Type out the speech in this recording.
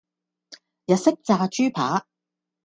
日式炸豬扒